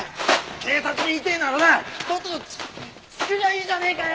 警察に言いてえならなとっととチクりゃいいじゃねえかよ！